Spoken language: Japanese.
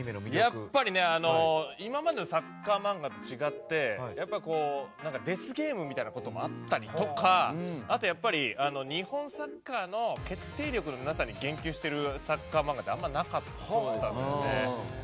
やっぱり今までのサッカー漫画と違ってデスゲームみたいなことがあったりとかあと、やっぱり日本サッカーの決定力のなさに言及しているサッカー漫画ってなかったんですよね。